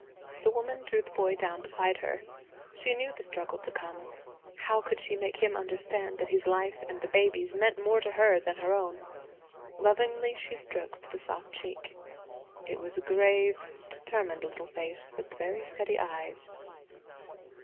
The woman drew the boy down beside her. She knew the struggle to come. How could she make him understand that his life and the baby's meant more to her than her own. Lovingly she stroked the soft cheek. It was a grave, determined little face with very steady eyes.